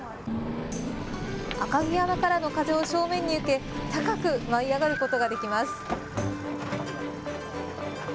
赤城山からの風を正面に受け高く舞い上がることができます。